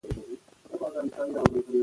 د اصفهان محاصره اته میاشتې روانه وه.